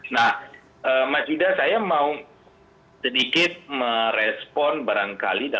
nah mas yuda saya mau sedikit merespon barangkali